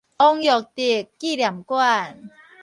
王育德紀念館